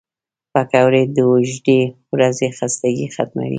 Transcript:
پکورې د اوږدې ورځې خستګي ختموي